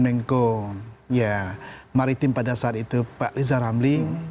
menko ya maritim pada saat itu pak riza ramli